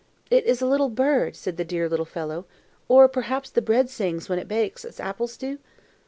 "It is a little bird," said the dear little fellow; "or perhaps the bread sings when it bakes, as apples do?"